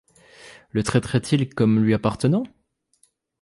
Le traiterait-il comme lui appartenant ?